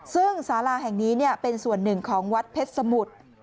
ซึ่งสาราแห่งนี้เป็นส่วนหนึ่งของวัดเพชรสมุทร